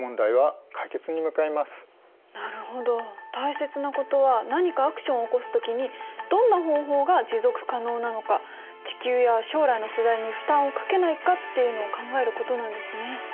大切なことは何かアクションを起こす時にどんな方法が持続可能なのか地球や将来の世代に負担をかけないかっていうのを考えることなんですね。